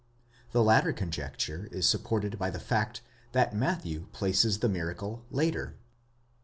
The latter conjecture is supported by the fact that Matthew places the miracle later.